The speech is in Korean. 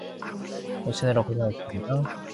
오시느라 고생하셨습니다.